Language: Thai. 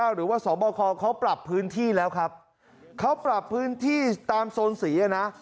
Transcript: หรือว่าสบคเขาปรับพื้นที่แล้วครับเขาปรับพื้นที่ตามโซนสีอ่ะนะ